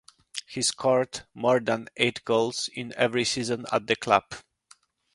He scored more than eight goals in every season at the club.